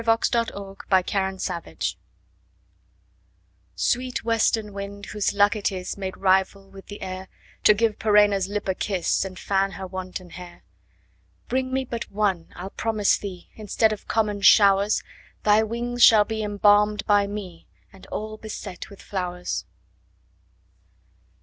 To the Western Wind SWEET western wind, whose luck it is, Made rival with the air, To give Perenna's lip a kiss, And fan her wanton hair: Bring me but one, I'll promise thee, 5 Instead of common showers, Thy wings shall be embalm'd by me, And all beset with flowers.